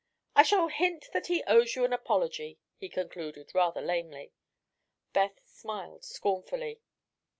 "I shall hint that he owes you an apology," he concluded, rather lamely. Beth smiled scornfully.